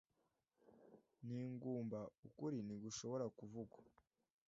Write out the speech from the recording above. ni ingumba Ukuri ntigushobora kuvugwa